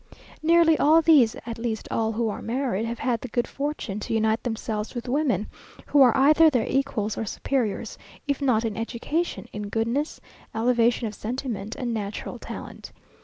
Nearly all these, at least all who are married, have had the good fortune to unite themselves with women who are either their equals or superiors, if not in education, in goodness, elevation of sentiment, and natural talent.